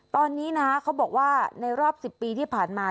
ตอนนี้นะเขาบอกว่าในรอบ๑๐ปีที่ผ่านมา